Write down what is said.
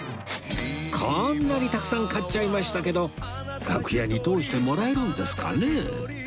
こんなにたくさん買っちゃいましたけど楽屋に通してもらえるんですかね？